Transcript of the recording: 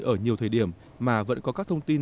ở nhiều thời điểm mà vẫn có các thông tin